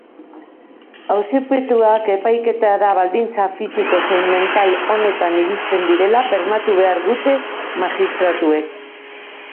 Auzipetuak epaiketara baldintza fisiko zein mental onetan iristen direla bermatu behar dute magistratuek.